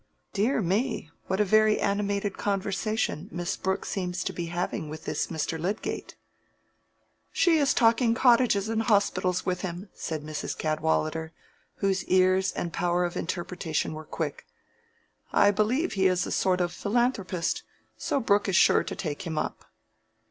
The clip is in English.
Dear me, what a very animated conversation Miss Brooke seems to be having with this Mr. Lydgate!" "She is talking cottages and hospitals with him," said Mrs. Cadwallader, whose ears and power of interpretation were quick. "I believe he is a sort of philanthropist, so Brooke is sure to take him up."